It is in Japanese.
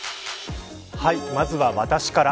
まずは私から。